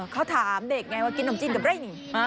เขาถามเด็กไงว่ากินน้ำจีนกับอะไร